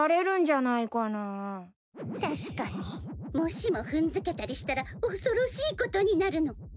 もしも踏んづけたりしたら恐ろしいことになるの。